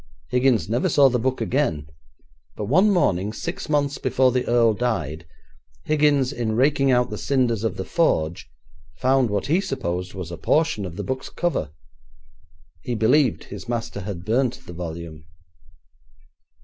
Higgins never saw the book again, but one morning, six months before the earl died, Higgins, in raking out the cinders of the forge, found what he supposed was a portion of the book's cover. He believed his master had burnt the volume.